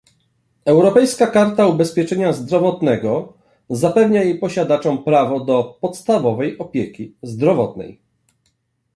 Europejska karta ubezpieczenia zdrowotnego zapewnia jej posiadaczom prawo do "podstawowej opieki zdrowotnej"